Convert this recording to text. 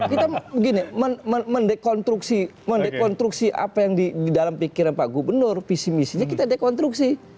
kita begini mendekonstruksi apa yang di dalam pikiran pak gubernur visi misinya kita dekonstruksi